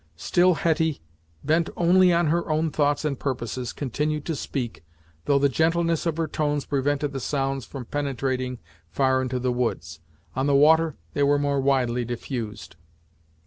Still Hetty, bent only on her own thoughts and purposes, continued to speak, though the gentleness of her tones prevented the sounds from penetrating far into the woods. On the water they were more widely diffused.